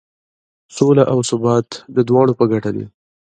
سوله او ثبات د دواړو په ګټه دی.